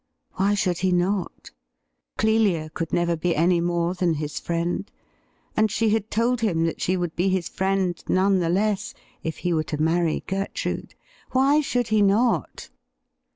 Why should he not ? Clelia could never be any more than his friend, and she had told him that she would be his friend none the less if he were to marry Gertrude. Why should he not